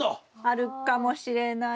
あるかもしれないな。